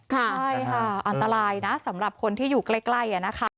ใช่ค่ะอันตรายนะสำหรับคนที่อยู่ใกล้นะคะ